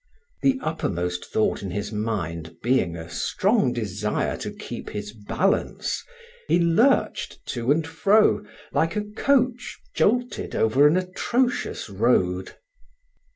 The uppermost thought in his mind being a strong desire to keep his balance, he lurched to and fro like a coach jolted over an atrocious road.